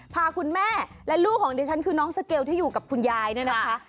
พาคุณแม่และลูกของดิฉันคือน้องสเกลที่อยู่กับคุณยายเนี่ยนะคะ